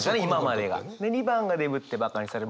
で２番が「デブってバカにされる」。